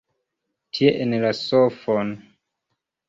Tie en la sofon.